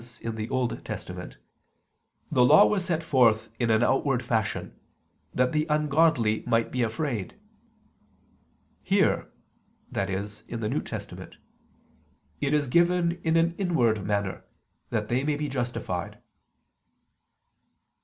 in the Old Testament, "the Law was set forth in an outward fashion, that the ungodly might be afraid"; "here," i.e. in the New Testament, "it is given in an inward manner, that they may be justified."